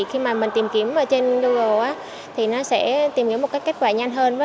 khi mà mình tìm kiếm ở trên google thì nó sẽ tìm hiểu một cách kết quả nhanh hơn